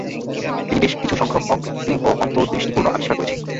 তিনি "বেশ কিছু সংখ্যক অকৃত্রিম ও অন্তদৃষ্টিপূর্ণ আবিষ্কার করেছিলেন।